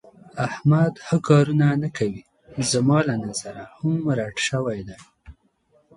احمد ښه کارونه نه کوي. زما له نظره هم رټ شوی دی.